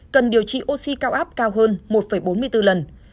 cần điều trị oxy cao áp cao hơn một bốn mươi bốn lần